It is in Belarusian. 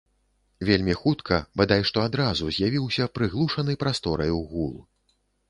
Вельмі хутка, бадай што адразу, з'явіўся прыглушаны прастораю гул.